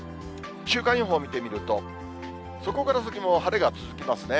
週間予報を見てみると、そこから先も晴れが続きますね。